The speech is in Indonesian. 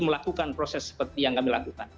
melakukan proses seperti yang kami lakukan